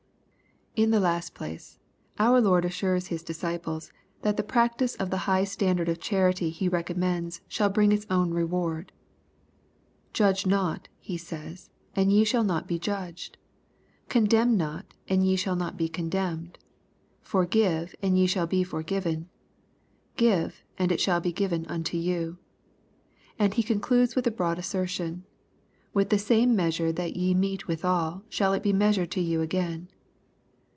In the last place, our Lord assures His disciples that the practice of the high standard of charity He recom^ mends shall bring its otvn reward, "Judge not," He says, "and ye shall not be judged : condemn not, and ye shall not be condemned : forgive, and ye shall be forgiven : give, and it shall be given unto you." And He concludes with the broad asseition, " With the same measure that ye mete withal, shall it be measured to you again."